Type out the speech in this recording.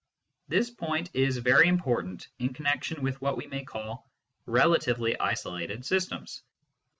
This point is very important in connection with what we may call " relatively isolated systems."